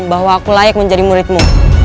bahwa aku layak menjadi muridmu